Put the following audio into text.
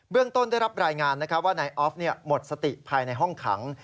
เรื่องต้นได้รับรายงานว่านายออฟหมดสติภายในห้องขัง